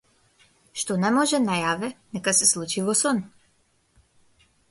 Што не може на јаве, нека се случи во сон.